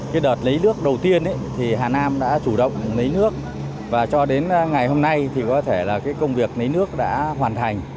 cái đợt lấy nước đầu tiên thì hà nam đã chủ động lấy nước và cho đến ngày hôm nay thì có thể là cái công việc lấy nước đã hoàn thành